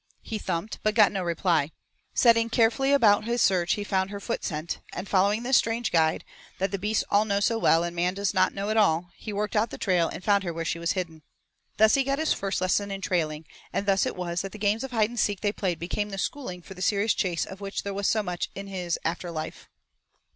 He thumped, but got no reply. Setting carefully about his search he found her foot scent and, following this strange guide, that the beasts all know so well and man does not know at all, he worked out the trail and found her where she was hidden. Thus he got his first lesson in trailing, and thus it was that the games of hide and seek they played became the schooling for the serious chase of which there was so much in his after life.